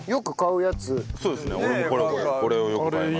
俺もこれをよく買います。